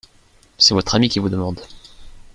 C’est votre ami qui vous demande…